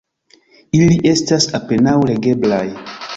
Ili estas apenaŭ legeblaj.